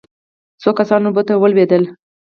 څو کسان اوبو ته ولوېدل.